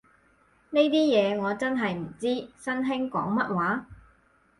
呢啲嘢我真係唔知，新興講乜話